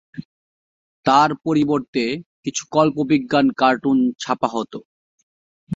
তার পরিবর্তে কিছু কল্পবিজ্ঞান কার্টুন ছাপা হত।